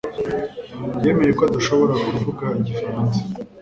Yemeye ko adashobora kuvuga igifaransa